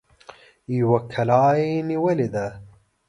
يوه کلا يې نيولې ده.